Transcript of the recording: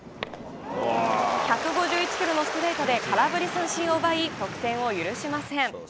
１５１キロのストレートで空振り三振を奪い、得点を許しません。